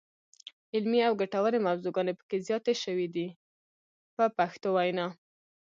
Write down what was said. علمي او ګټورې موضوعګانې پکې زیاتې شوې دي په پښتو وینا.